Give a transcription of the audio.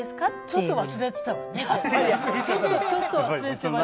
ちょっと忘れてました。